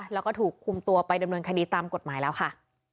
แล้วก็ถูกคุมตัวไปดำเนินคดีตามกฎหมายแล้วค่ะ